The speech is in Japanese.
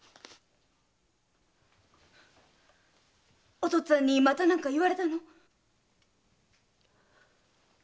お父っつぁんにまた何か言われたの？